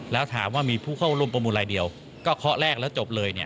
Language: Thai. แล้วถามว่ามีผู้เข้าร่วมประมูลรายเดียวก็เคาะแรกแล้วจบเลย